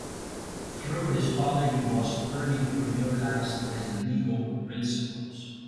Through his father he was early familiarized with legal principles.